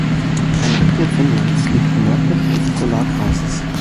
Ein Drittel Finnlands liegt nördlich des Polarkreises.